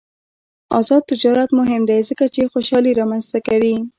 آزاد تجارت مهم دی ځکه چې خوشحالي رامنځته کوي.